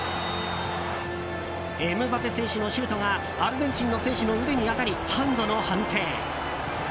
エムバペ選手のシュートがアルゼンチンの選手の腕に当たりハンドの判定。